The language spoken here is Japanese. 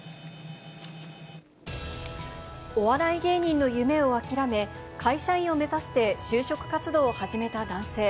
お笑い芸人の夢を諦め、会社員を目指して就職活動を始めた男性。